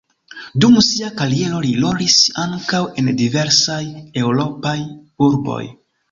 Dum sia kariero li rolis ankaŭ en diversaj eŭropaj urboj.